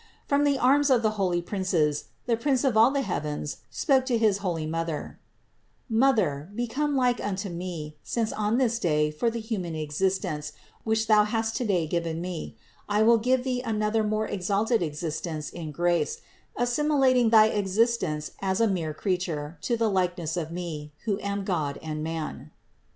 From the arms of the holy princes the Prince of all the heavens spoke to his holy Mother: "Mother, become like unto Me, since on this day, for the human existence, which thou hast today given Me, I will give thee another more exalted existence in grace, assimilating thy existence as a mere creature to the likeness of Me, who am God and Man."